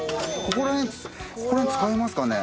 これ使えますかね。